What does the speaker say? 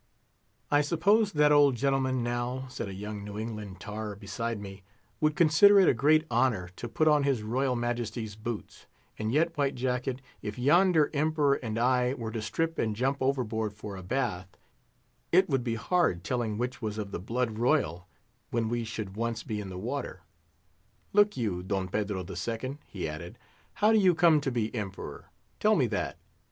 "I suppose that old gentleman, now," said a young New England tar beside me, "would consider it a great honour to put on his Royal Majesty's boots; and yet, White Jacket, if yonder Emperor and I were to strip and jump overboard for a bath, it would be hard telling which was of the blood royal when we should once be in the water. Look you, Don Pedro II.," he added, "how do you come to be Emperor? Tell me that.